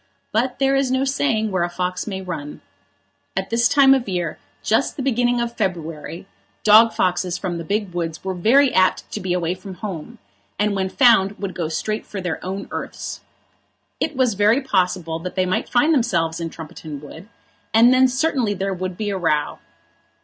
But there is no saying where a fox may run. At this time of the year, just the beginning of February, dog foxes from the big woods were very apt to be away from home, and when found would go straight for their own earths. It was very possible that they might find themselves in Trumpeton Wood, and then certainly there would be a row.